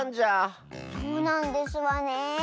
そうなんですわねえ。